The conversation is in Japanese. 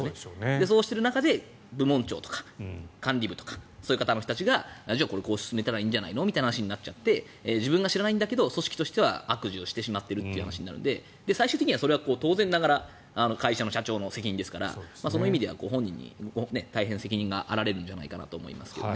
そうした中で部門長とか管理部とかそういう人たちがここをこう進めればいいんじゃないのという話になっちゃって自分が知らないんだけど組織としては悪事をしてしまってるという話になるので最終的には当然ながら会社の社長の責任ですからその意味では本人に大変、責任があられるんじゃないかと思いますけどね。